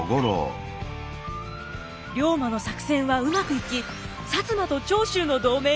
龍馬の作戦はうまくいき摩と長州の同盟が成立。